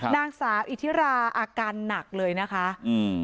นางสาวอิทิราอาการหนักเลยนะคะอืม